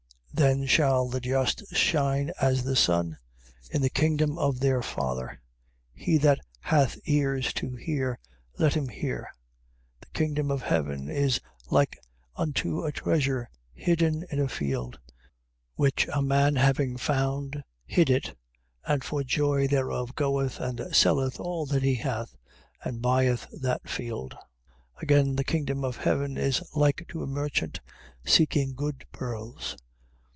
13:43. Then shall the just shine as the sun, in the kingdom of their Father. He that hath ears to hear, let him hear. 13:44. The kingdom of heaven is like unto a treasure hidden in a field. Which a man having found, hid it, and for joy thereof goeth, and selleth all that he hath, and buyeth that field. 13:45. Again the kingdom of heaven is like to a merchant seeking good pearls.